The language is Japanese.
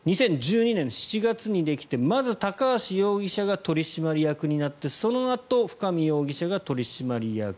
２０１２年７月にできてまず、高橋容疑者が取締役になってそのあと深見容疑者が取締役。